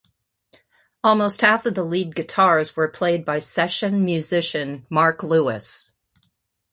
Almost half of the lead guitars were played by session musician Mark Lewis.